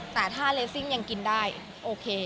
แต่ถ้าเลสซิ่งยังกินได้โอเค